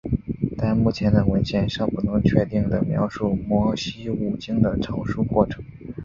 但目前的文献尚不能确切地描述摩西五经的成书过程。